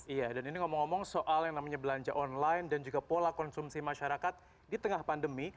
iya dan ini ngomong ngomong soal yang namanya belanja online dan juga pola konsumsi masyarakat di tengah pandemi